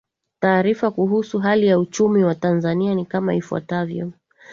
Taarifa kuhusu hali ya uchumi wa Tanzania ni kama ifuatavyo